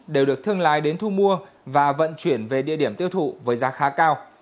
đều được thương lái đến thu mua và vận chuyển về địa điểm tiêu thụ với giá khá cao